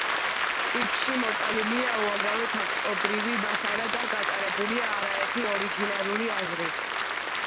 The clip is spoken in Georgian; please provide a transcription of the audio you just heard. წიგნში მოტანილია უამრავი ფაქტობრივი მასალა და გატარებულია არაერთი ორიგინალური აზრი.